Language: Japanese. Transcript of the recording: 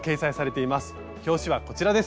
表紙はこちらです。